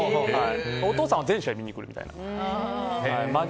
お父さんは全試合見に来るみたいな。